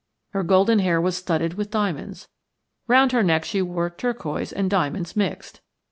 Her golden hair was studded with diamonds. Round her neck she wore turquoise and diamonds mixed.